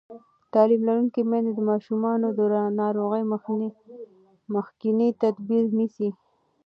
تعلیم لرونکې میندې د ماشومانو د ناروغۍ مخکینی تدبیر نیسي.